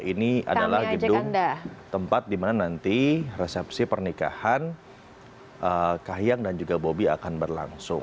ini adalah gedung tempat dimana nanti resepsi pernikahan kahyang dan juga bobi akan berlangsung